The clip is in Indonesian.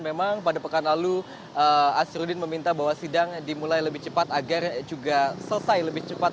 memang pada pekan lalu asruddin meminta bahwa sidang dimulai lebih cepat agar juga selesai lebih cepat